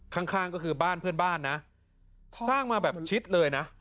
ข้างข้างก็คือบ้านเพื่อนบ้านนะสร้างมาแบบชิดเลยนะ